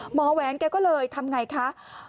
หมอแหวนก็เลยทำไงคะ